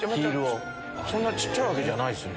そんな小っちゃいわけじゃないっすね。